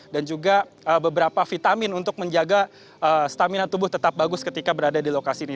dan juga beberapa vitamin untuk menjaga stamina tubuh tetap bagus ketika berada di lokasi ini